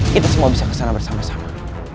kita semua bisa ke sana bersama sama